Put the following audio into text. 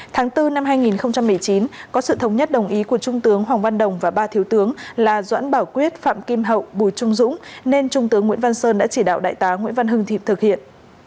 tháng bốn năm hai nghìn một mươi chín có sự thống nhất đồng ý của trung tướng hoàng văn đồng và ba thiếu tướng là doãn bảo quyết phạm kim hậu bùi trung dũng nên trung tướng nguyễn văn sơn đã chỉ đạo đại tá nguyễn văn hưng thịt thực hiện